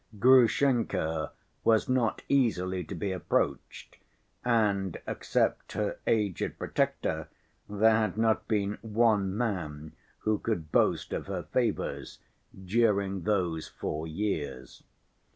Grushenka was not easily to be approached and except her aged protector there had not been one man who could boast of her favors during those four years.